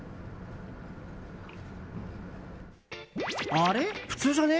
あれ、普通じゃね？